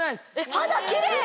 肌キレイ！